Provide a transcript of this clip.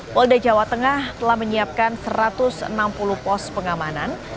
polda jawa tengah telah menyiapkan satu ratus enam puluh pos pengamanan